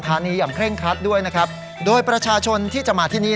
อย่างเคร่งครัดด้วยนะครับโดยประชาชนที่จะมาที่นี่